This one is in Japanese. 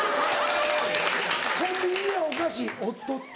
コンビニでお菓子「おっとっと」。